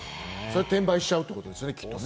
転売しちゃうってことですよね？